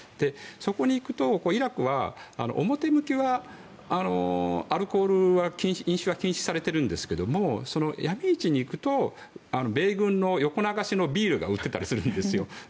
そこに行くとイラクは表向きはアルコール、飲酒は禁止されてるんですけどヤミ市に行くと米軍の横流しのビールが売っていたりするんですよ。